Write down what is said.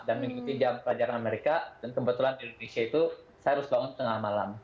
dan mengikuti jam pelajaran mereka dan kebetulan di indonesia itu saya harus bangun tengah malam